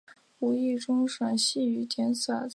香港回归后任行政会议召集人。